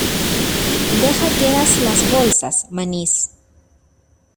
deja quedas las bolsas, manís.